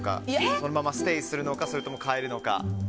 そのままステイするのかそれとも変えるのか。